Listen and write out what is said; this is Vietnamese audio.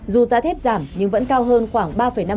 dù giá thép giảm nhưng vẫn cao hơn khoảng ba năm